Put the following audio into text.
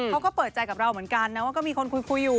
เขาก็เปิดใจกับเราเหมือนกันนะว่าก็มีคนคุยอยู่